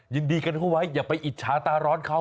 ยินดีกันคุณวัยอย่าไปอิจฉาอาหารเขา